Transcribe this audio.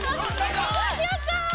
やったー！